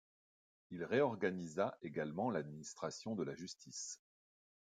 Il réorganisa également l'administration de la justice.